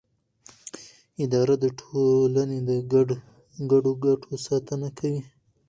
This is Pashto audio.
اداره د ټولنې د ګډو ګټو ساتنه کوي.